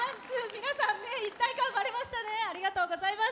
皆さん、一体感生まれましたね。